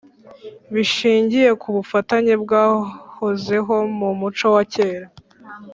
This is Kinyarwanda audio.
bishingiye ku bufatanye bwahozeho mu muco wa kera